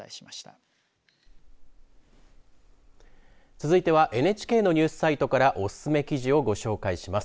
続いてはＮＨＫのニュースサイトからおすすめ記事をご紹介します。